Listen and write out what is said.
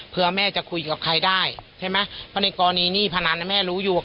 เพื่อแม่จะคุยกับใครได้ใช่ไหมเพราะในกรณีหนี้พนันแม่รู้อยู่